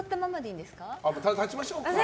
立ちましょうか。